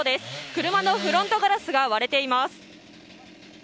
車のフロントガラスが割れています。